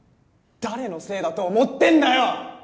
誰のせいだと思ってんだよ！